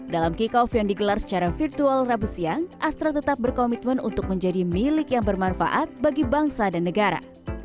dalam kick off yang digelar secara virtual rabu siang astra tetap berkomitmen untuk menjadi milik yang bermanfaat bagi bangsa dan negara